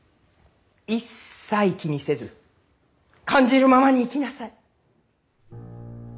一切気にせず感じるままに生きなさい。